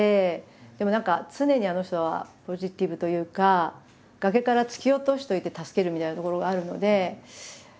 でも何か常にあの人はポジティブというか崖から突き落としといて助けるみたいなところがあるので。